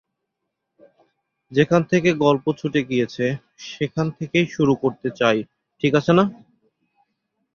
যেখান থেকে গল্প ছুটে গিয়েছে, সেখানে থেকেই শুরু করতে চাই, ঠিক আছেনা?